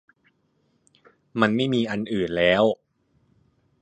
มันไม่มีอันอื่นแล้ว